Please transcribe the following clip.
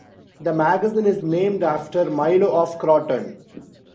The magazine is named after Milo of Croton.